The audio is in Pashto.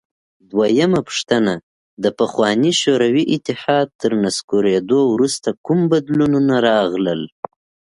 دویمه پوښتنه: د پخواني شوروي اتحاد تر نسکورېدو وروسته کوم بدلونونه راغلل؟